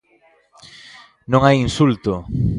Non hai insulto.